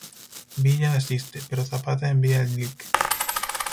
Villa asiste, pero Zapata envía al Lic.